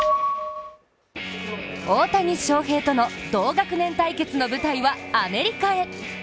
大谷翔平との同学年対決の舞台はアメリカへ。